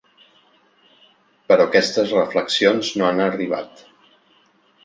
Però aquestes reflexions no han arribat.